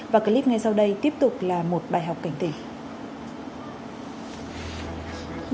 và clip ngay sau đây tiếp tục là một bài học cảnh tỷ